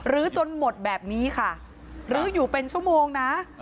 ื้อจนหมดแบบนี้ค่ะลื้ออยู่เป็นชั่วโมงนะ